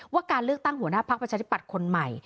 การเลือกตั้งหัวหน้าพักประชาธิปัตย์คนใหม่